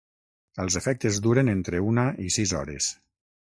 Els efectes duren entre una i sis hores.